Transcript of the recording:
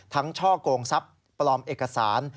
ช่อกงทรัพย์ปลอมเอกสาร